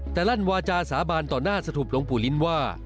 แต่ลั่นวาจาสาบานต่อหน้าสถุปหลวงปู่ลิ้นว่า